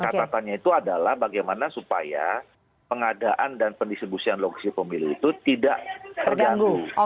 catatannya itu adalah bagaimana supaya pengadaan dan pendistribusian logistik pemilu itu tidak terganggu